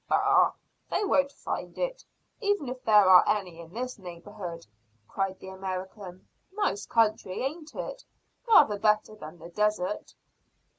"Bah! They won't find it, even if there are any in this neighbourhood," cried the American. "Nice country, ain't it? Rather better than the desert."